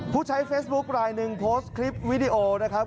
ผู้ใช้เฟซบุ๊คลายหนึ่งโพสต์คลิปวิดีโอนะครับ